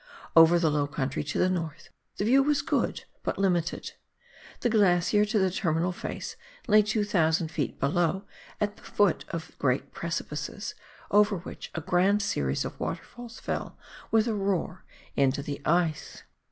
Over the low country to the north, the view was good, but limited. The glacier to the Terminal face lay 2,000 ft. below, at the foot of great precipices, over which a grand series of waterfalls fell with a roar into the ice.